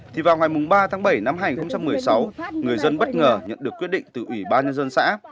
thì vào ngày ba tháng bảy năm hai nghìn một mươi sáu người dân bất ngờ nhận được quyết định từ ủy ban nhân dân xã